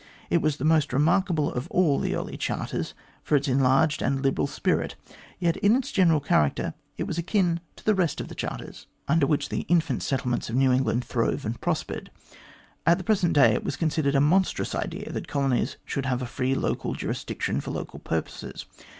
It was the most remarkable of all the early charters for its enlarged and liberal spirit, yet in its general character it was akin to the rest of the charters MR GLADSTONE'S TRUE PRINCIPLES OF COLONISATION 211 under which the infant settlements of New England throve and prospered. At the present day it was considered a monstrous idea that colonies should have free local juris diction for local purposes.